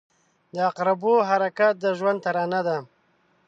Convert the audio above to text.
• د عقربو حرکت د ژوند ترانه ده.